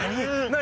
何？